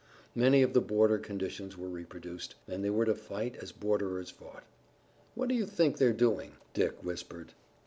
Many of the border conditions were reproduced, and they were to fight as borderers fought. "What do you think they're doing?" Dick whispered.